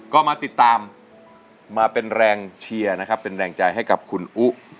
ก็มาติดตามมาเป็นแรงเชียร์นะครับเป็นแรงใจให้กับคุณอุ๊